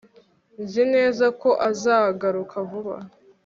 Nzi neza ko azagaruka vuba